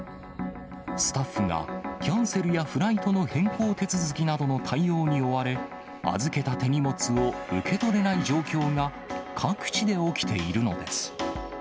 スタッフが、キャンセルやフライトの変更手続きなどの対応に追われ、預けた手荷物を受け取れない状況が、各地で起きているのです。